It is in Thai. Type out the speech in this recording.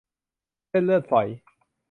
เส้นเลือดฝอย